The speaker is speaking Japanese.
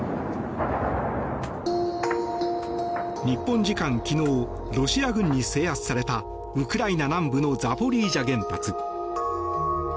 日本時間昨日ロシア軍に制圧されたウクライナ南部のザポリージャ原発。